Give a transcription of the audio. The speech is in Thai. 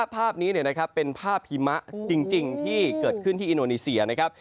ภาพนี้เป็นภาพหิมะจริงที่เกิดขึ้นที่อินโดนีเซียนะครับ